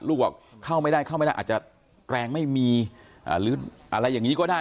ลูกบอกเข้าไม่ได้เข้าไม่ได้อาจจะแรงไม่มีหรืออะไรอย่างนี้ก็ได้